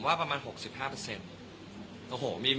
วันนี้คือเตรียม